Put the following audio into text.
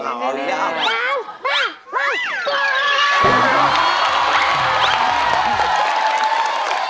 สามสาบังกก